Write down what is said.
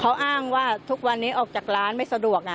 เขาอ้างว่าทุกวันนี้ออกจากร้านไม่สะดวกนะ